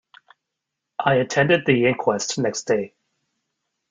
I attended the inquest next day.